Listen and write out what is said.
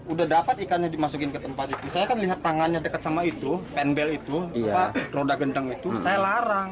udah dapat ikannya dimasukin ke tempat itu saya kan lihat tangannya dekat sama itu penbell itu roda gendeng itu saya larang